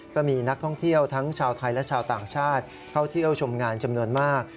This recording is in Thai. ก็มีนักท่องเที่ยวทั้งชาวไทยและชาวต่างชาติเข้าเที่ยวชมงานจำนวนมาก